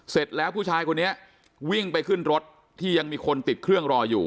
เสร็จแล้วผู้ชายคนนี้วิ่งไปขึ้นรถที่ยังมีคนติดเครื่องรออยู่